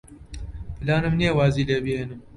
پلانم نییە وازی لێ بێنم.